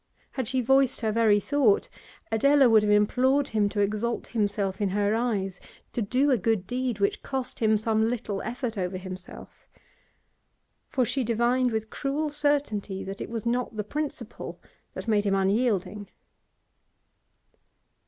Had she voiced her very thought, Adela would have implored him to exalt himself in her eyes, to do a good deed which cost him some little effort over himself. For she divined with cruel certainty that it was not the principle that made him unyielding.